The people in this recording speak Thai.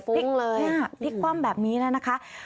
พิกษ์ความแบบนี้แล้วนะคะ